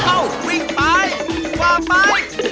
อ้าววิ่งไปขวาไป